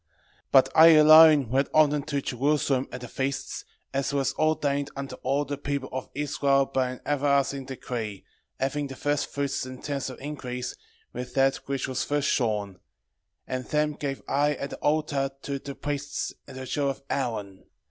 1:6 But I alone went often to Jerusalem at the feasts, as it was ordained unto all the people of Israel by an everlasting decree, having the firstfruits and tenths of increase, with that which was first shorn; and them gave I at the altar to the priests the children of Aaron.